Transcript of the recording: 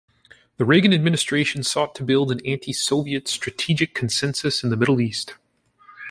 The Reagan Administration sought to build an anti-Soviet strategic consensus in the Middle East.